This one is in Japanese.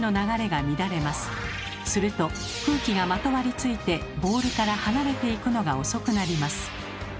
すると空気がまとわりついてボールから離れていくのが遅くなります。